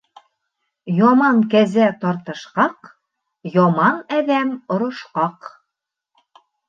Яман кәзә тартышҡаҡ, яман әҙәм орошҡаҡ.